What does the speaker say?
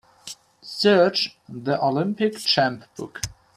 Search The Olympic Champ book.